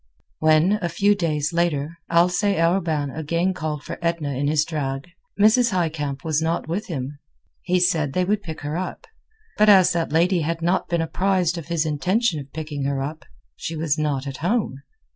When, a few days later, Alcée Arobin again called for Edna in his drag, Mrs. Highcamp was not with him. He said they would pick her up. But as that lady had not been apprised of his intention of picking her up, she was not at home.